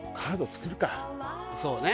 そうね。